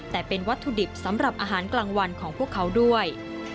แต่เป็นวัตถุดิบสำหรับอาหารกลางวันของพวกเขาด้วย